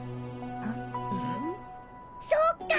そっか！